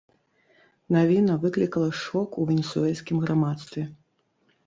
Навіна выклікала шок у венесуэльскім грамадстве.